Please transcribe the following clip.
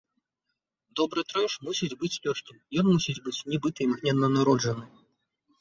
Добры трэш мусіць быць лёгкім, ён мусіць быць нібыта імгненна народжаны.